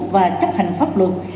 và chấp hành pháp luật